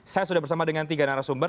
saya sudah bersama dengan tiga narasumber